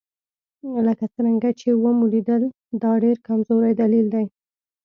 لکه څرنګه چې ومو لیدل دا ډېر کمزوری دلیل دی.